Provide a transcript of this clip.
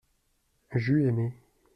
J’eus aimé.